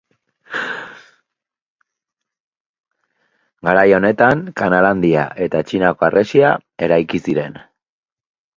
Garai honetan Kanal Handia eta Txinako Harresia eraiki ziren.